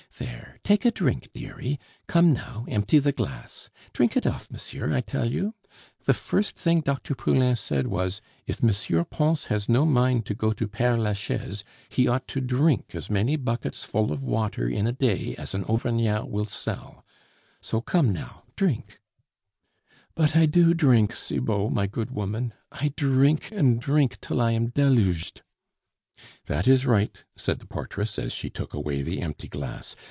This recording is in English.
There, take a drink, dearie; come now, empty the glass. Drink it off, monsieur, I tell you! The first thing Dr. Poulain said was, 'If M. Pons has no mind to go to Pere Lachaise, he ought to drink as many buckets full of water in a day as an Auvergnat will sell.' So, come now, drink " "But I do drink, Cibot, my good woman; I drink and drink till I am deluged " "That is right," said the portress, as she took away the empty glass.